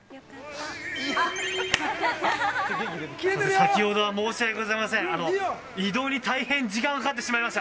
先ほどは申しわけございませんでした。